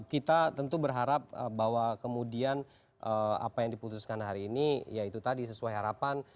kita tentu berharap bahwa kemudian apa yang diputuskan hari ini ya itu tadi sesuai harapan